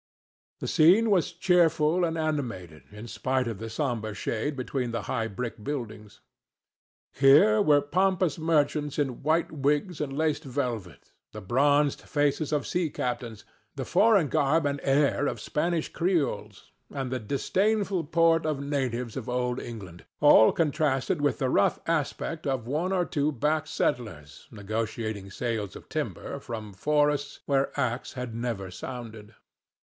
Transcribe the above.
The scene was cheerful and animated in spite of the sombre shade between the high brick buildings. Here were pompous merchants in white wigs and laced velvet, the bronzed faces of sea captains, the foreign garb and air of Spanish Creoles, and the disdainful port of natives of Old England, all contrasted with the rough aspect of one or two back settlers negotiating sales of timber from forests where axe had never sounded.